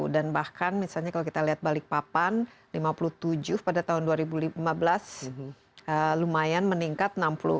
dan bahkan misalnya kalau kita lihat balikpapan lima puluh tujuh pada tahun dua ribu lima belas lumayan meningkat enam puluh empat tiga